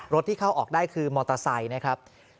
ที่เข้าออกได้คือมอเตอร์ไซค์นะครับ